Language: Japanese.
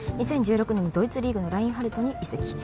２０１６年にドイツリーグのラインハルトに移籍